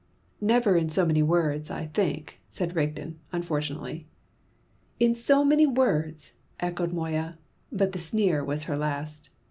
"Never in so many words, I think," said Rigden, unfortunately. "In so many words!" echoed Moya, but the sneer was her last.